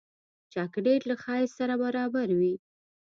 چاکلېټ له ښایست سره برابر وي.